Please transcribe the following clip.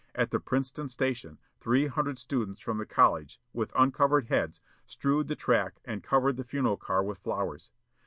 At the Princeton Station, three hundred students from the college, with uncovered heads, strewed the track and covered the funeral car with flowers.